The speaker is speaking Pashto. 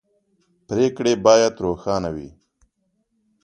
پرېکړې باید روښانه وي